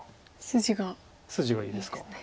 筋がいいですか。